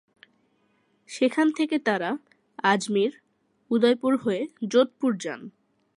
সেখান থেকে তারা আজমির, উদয়পুর হয়ে যোধপুর যান।